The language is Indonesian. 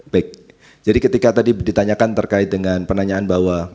baik jadi ketika tadi ditanyakan terkait dengan penanyaan bahwa